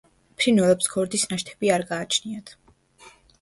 ფრინველებს ქორდის ნაშთები არ გააჩნიათ.